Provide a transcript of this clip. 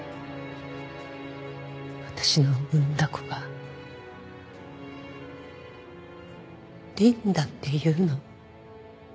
私の産んだ子がリンだっていうの？